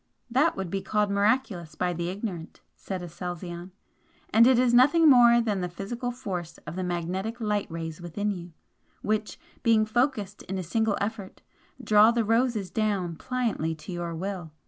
"That would be called 'miraculous' by the ignorant," said Aselzion "And it is nothing more than the physical force of the magnetic light rays within you, which, being focused in a single effort, draw the roses down pliantly to your will.